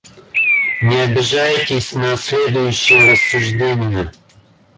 Не обижайтесь на следующее рассуждение.